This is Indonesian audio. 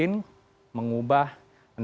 ia juga mengubah energi